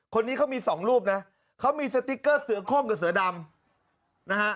คนนี้เขามีสองรูปนะเขามีสติ๊กเกอร์เสือโค้งกับเสือดำนะฮะ